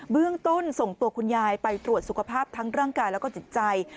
เบื้องต้นส่งตัวคุณยายไปตรวจสุขภาพทั้งร่างกายแล้วก็จิตใจ